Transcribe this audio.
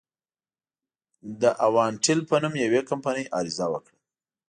د اوانټل په نوم یوې کمپنۍ عریضه وکړه.